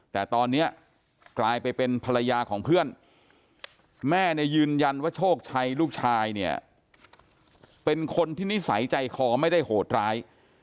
แต่ตอนนี้กลายไปเป็นภรรยาของเพื่อนแม่เนี่ยยืนยันว่าโชคชัยลูกชายเนี่ยเป็นคนที่นิสัยใจคอไม่ได้โหดร้าย